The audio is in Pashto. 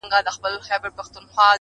o خير دی ـ زه داسي یم ـ چي داسي نه وم ـ